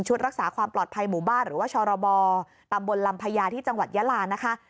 รักษาความปลอดภัยหมู่บ้านหรือว่าชรบตำบลลำพญาที่จังหวัดยาลานะคะ